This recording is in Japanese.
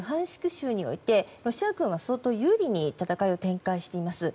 州においてロシア軍は相当有利に戦いを展開しています。